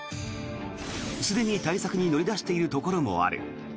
すでに対策に乗り出しているところもある。